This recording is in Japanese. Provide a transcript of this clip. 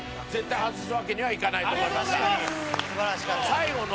最後の。